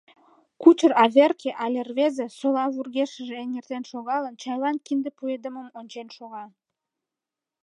Кучыр Аверке але рвезе, сола вургешыже эҥертен шогалын, чайлан кинде пуэдымым ончен шога.